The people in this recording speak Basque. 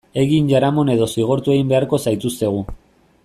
Egin jaramon edo zigortu egin beharko zaituztegu.